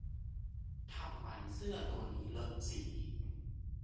ทำไมเสื้อตัวนี้เลอะสี